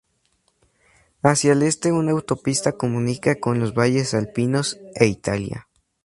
Hacia el este una autopista comunica con los valles alpinos e Italia.